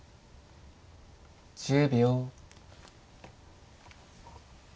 １０秒。